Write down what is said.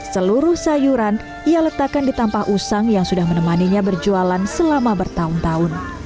seluruh sayuran ia letakkan di tampah usang yang sudah menemaninya berjualan selama bertahun tahun